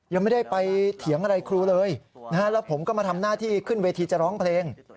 ยังไม่ได้ไปเถียงอะไรครูเลยแล้วผมก็มาทำหน้าที่ขึ้นเวทีจะร้องเพลง